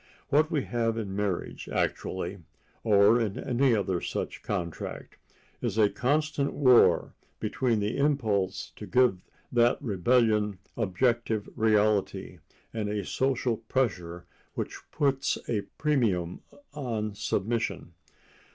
What we have in marriage actually—or in any other such contract—is a constant war between the impulse to give that rebellion objective reality and a social pressure which puts a premium on submission.